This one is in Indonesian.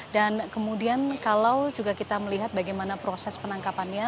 dan kemudian kalau juga kita melihat bagaimana proses penangkapannya